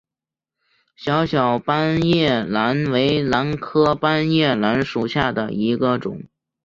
小小斑叶兰为兰科斑叶兰属下的一个种。